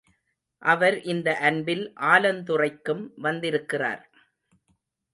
அவர் இந்த அன்பில் ஆலந்துறைக்கும் வந்திருக்கிறார்.